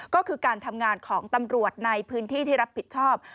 ก็คือการทำงานของตำรวจในพื้นที่ที่รับผิดชอบ